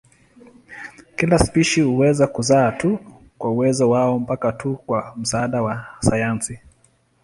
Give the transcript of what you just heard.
Kila spishi huweza kuzaa tu kwa uwezo wao mpaka tu kwa msaada wa sayansi.